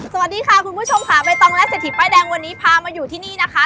สวัสดีค่ะคุณผู้ชมค่ะใบตองและเศรษฐีป้ายแดงวันนี้พามาอยู่ที่นี่นะคะ